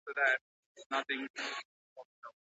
که په هوایی ډګر کي اسانتیاوې وي، نو مسافر نه ستړي کیږي.